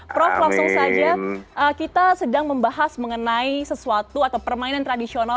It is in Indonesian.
prof langsung saja kita sedang membahas mengenai sesuatu atau permainan tradisional